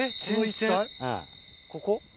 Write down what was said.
ここ？